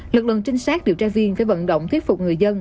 lực lượng trinh sát điều tra viên phải vận động thuyết phục người dân